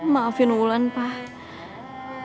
maafin ulan pak